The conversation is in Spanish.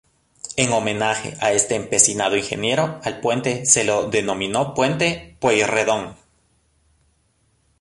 En homenaje a este empecinado ingeniero al puente se lo denominó Puente Pueyrredón.